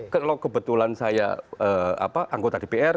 kalau kebetulan saya anggota dpr